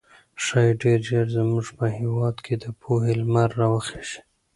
ښايي ډېر ژر زموږ په هېواد کې د پوهې لمر راوخېږي.